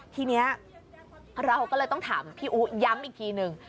ทีนี้เราก็เลยต้องถามพี่อู๋ย้ำอีกทีหนึ่ง